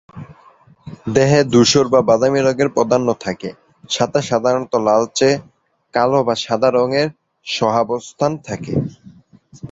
দেহে ধূসর বা বাদামি রঙের প্রাধান্য থাকে, সাথে সাধারণত লালচে, কালো বা সাদা রঙের সহাবস্থান থাকে।